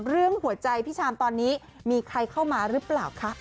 เรื่องหัวใจพี่ชามตอนนี้มีใครเข้ามาหรือเปล่าคะ